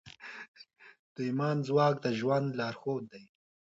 د ایمان ځواک د ژوند لارښود دی.